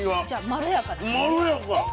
まろやか。